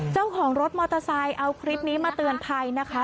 เจ้าของรถมอเตอร์ไซค์เอาคลิปนี้มาเตือนภัยนะคะ